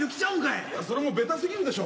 いやそれもベタすぎるでしょ。